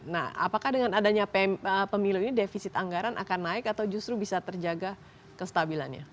nah apakah dengan adanya pemilu ini defisit anggaran akan naik atau justru bisa terjaga kestabilannya